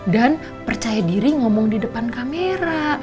dan percaya diri ngomong di depan kamera